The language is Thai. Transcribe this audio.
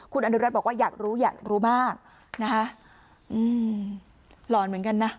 คุณอนุรัติบอกว่าอยากรู้อยากรู้มากนะคะอืมหลอนเหมือนกันนะ